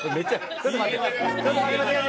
ちょっと待って待って！